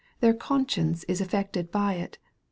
Their conscience is affected by it.